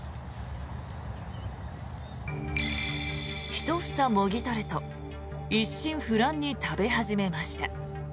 １房もぎ取ると一心不乱に食べ始めました。